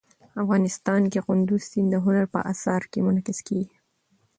افغانستان کې کندز سیند د هنر په اثار کې منعکس کېږي.